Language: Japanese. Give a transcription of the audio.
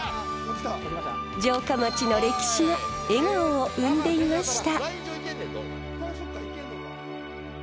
城下町の歴史が笑顔を生んでいました。